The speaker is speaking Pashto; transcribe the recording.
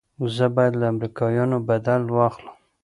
زه بايد له امريکايانو بدل واخلم.